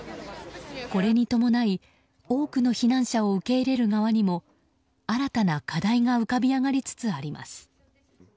これに伴い多くの避難者を受け入れる側にも新たな課題が浮かび上がりつつあります。